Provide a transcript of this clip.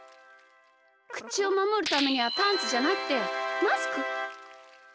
くちをまもるためにはパンツじゃなくてマスク！